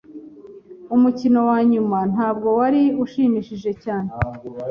Umukino wanyuma ntabwo wari ushimishije cyane.